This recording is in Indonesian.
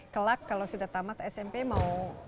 kelak kalau sudah tamat smp mau